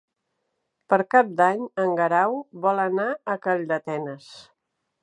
Per Cap d'Any en Guerau vol anar a Calldetenes.